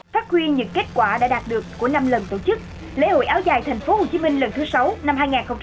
phát huy những kết quả đã đạt được của năm lần tổ chức lễ hội áo dài tp hcm lần thứ sáu năm hai nghìn một mươi chín